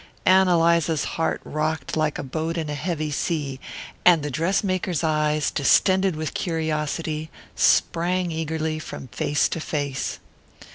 Ann Eliza's heart rocked like a boat in a heavy sea, and the dress maker's eyes, distended with curiosity, sprang eagerly from face to face.